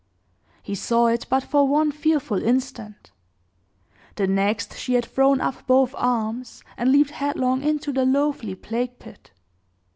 He saw it but for one fearful instant the next, she had thrown up both arms, and leaped headlong into the loathly plague pit.